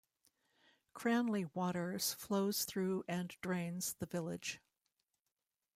Cranleigh Waters flows through and drains the village.